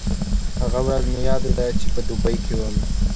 هغه ورځ مې یاده ده چې په دوبۍ کې وم.